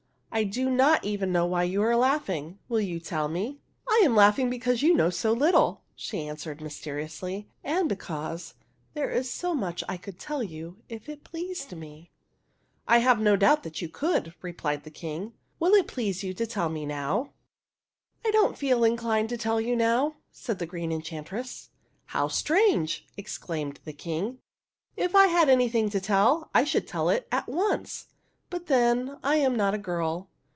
I do not even know why you are laughing. Will you tell me?" " I am laughing because you know so little," she answered mysteriously, " and because there is so much I could tell you if it pleased me." "I have no doubt you could," replied the King. " Will it please you to tell me now ?"" I don't feel inclined to tell you now," said the Green Enchantress. " How strange !" exclaimed the King. " If I had anything to tell, I should tell it at once ; but then, I am not a girl.